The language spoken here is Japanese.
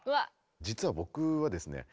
実は僕はですね